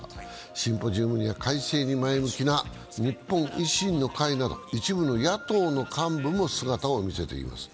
シンポジウムには改正に前向きな日本維新の会など一部の野党の幹部も姿を見せています。